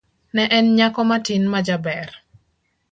Ne en nyako matin majaber.